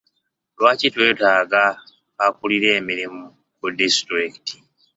Lwaki twetaaga akulira emirimu ku disitulikiti?